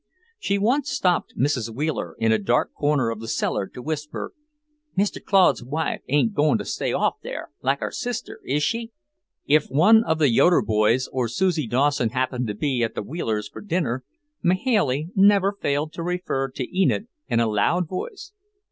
She once stopped Mrs. Wheeler in a dark corner of the cellar to whisper, "Mr. Claude's wife ain't goin' to stay off there, like her sister, is she?" If one of the Yoeder boys or Susie Dawson happened to be at the Wheelers' for dinner, Mahailey never failed to refer to Enid in a loud voice.